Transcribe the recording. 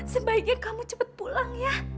sebaiknya kamu cepat pulang ya